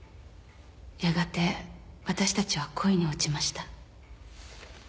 やがて私たちは恋に落ちました。